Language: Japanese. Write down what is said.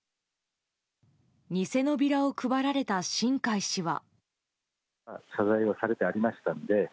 偽のビラを配られた新開氏は。